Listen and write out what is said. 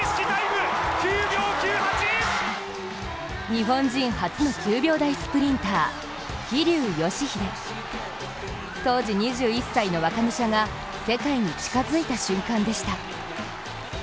日本人初の９秒台スプリンター・桐生祥秀当時２１歳の若武者が、世界に近づいた瞬間でした。